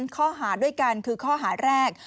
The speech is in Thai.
ข้อหาด้วยกันคือข้อหาแรก